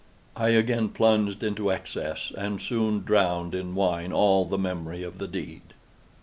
I again plunged into excess, and soon drowned in wine all memory of the deed.